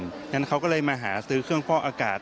งั้นเขาก็เลยมาหาซื้อเครื่องฟอกอากาศ